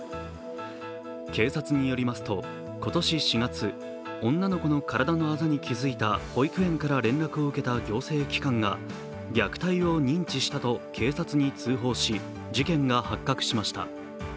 警察によりますと、今年４月女の子の体のあざに気づいた保育園から連絡を受けた行政機関が虐待を認知したと警察に通報し事件が発覚しました。